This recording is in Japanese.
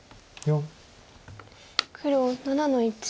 黒７の一。